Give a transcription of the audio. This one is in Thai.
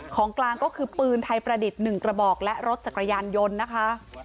ของกลางก็คือปืนไทยประดิษฐ์๑กระบอกและรถจักรยานยนต์นะคะ